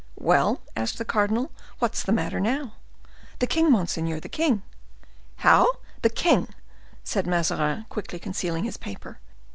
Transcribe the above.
"Well!" asked the cardinal, "what is the matter now?" "The king, monseigneur,—the king!" "How?—the king!" said Mazarin, quickly concealing his paper.